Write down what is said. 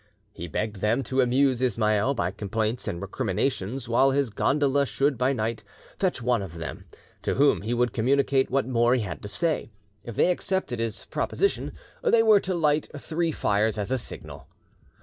He begged them to amuse Ismail by complaints and recriminations, while his gondola should by night fetch one of them, to whom he would communicate what more he had to say. If they accepted his proposition, they were to light three fires as a signal.